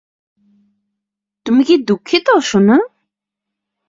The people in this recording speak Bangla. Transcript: তুমি কি দুঃখিত, সোনা?